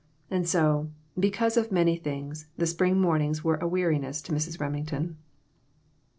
And so, because of many things, the spring mornings were a weariness to Mrs. Remington.